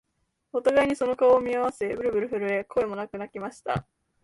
お互いにその顔を見合わせ、ぶるぶる震え、声もなく泣きました